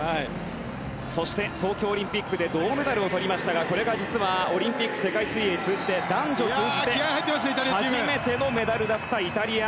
そして東京オリンピックで銅メダルを取りましたがこれが実はオリンピック世界水泳通じて男女通じて初めてのメダルだったイタリア。